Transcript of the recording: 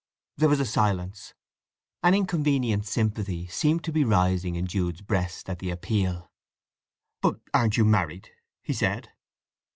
There was a silence. An inconvenient sympathy seemed to be rising in Jude's breast at the appeal. "But aren't you married?" he said.